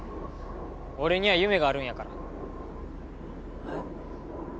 俺には夢があるんやからえっ？